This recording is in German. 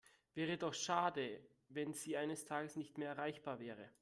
Wäre doch schade, wenn Sie eines Tages nicht mehr erreichbar wäre.